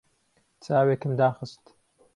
چاوێکم داخست.